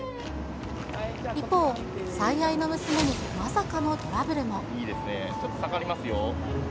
一方、最愛の娘にまさかのトラブルも。